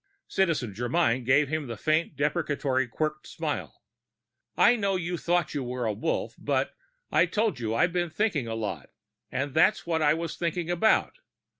Citizen Germyn gave him the faint deprecatory Quirked Smile. "I know you thought you were a Wolf, but I told you I've been thinking a lot, and that's what I was thinking about.